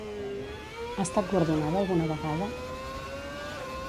Ha estat guardonada alguna vegada?